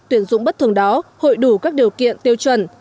tuyển dụng bất thường đó hội đủ các điều kiện tiêu chuẩn